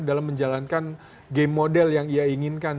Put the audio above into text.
dalam menjalankan game model yang ia inginkan